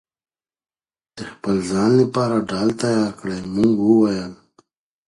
د خپل ځان لپاره ډال تيار کړئ!! مونږ وويل: